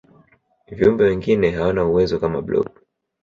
viumbe wengine hawana uwezo kama blob